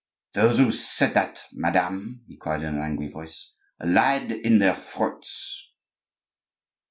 "Those who said that, madame," he cried in an angry voice, "lied in their throats!"